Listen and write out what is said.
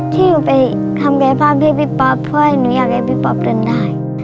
ที่หนูไปทำกายภาพให้พี่ป๊อปเพื่อให้หนูอยากให้พี่ป๊อปเดินได้